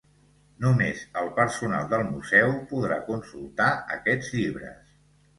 Només el personal del Museu podrà consultar aquests llibres.